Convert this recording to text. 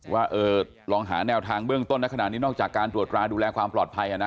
ว่าลองหาแนวทางเบื้องต้นในขณะนี้นอกจากการตรวจราดูแลความปลอดภัยนะ